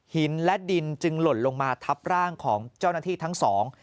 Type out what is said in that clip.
หินและดินจึงหล่นลงมาทับร่างของเจ้าหน้าที่ทั้งสอง